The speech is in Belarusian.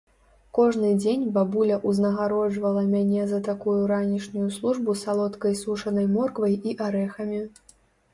Кожны дзень бабуля ўзнагароджвала мяне за такую ранішнюю службу салодкай сушанай морквай і арэхамі.